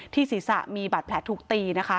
ศีรษะมีบาดแผลถูกตีนะคะ